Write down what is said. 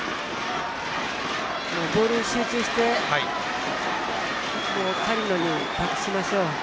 ボールに集中して狩野に託しましょう。